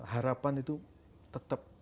harapan itu tetap